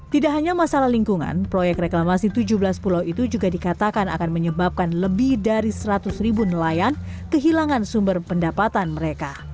tidak hanya masalah lingkungan proyek reklamasi tujuh belas pulau itu juga dikatakan akan menyebabkan lebih dari seratus ribu nelayan kehilangan sumber pendapatan mereka